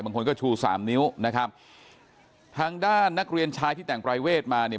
บางคนก็ชูสามนิ้วนะครับทางด้านนักเรียนชายที่แต่งปรายเวทมาเนี่ย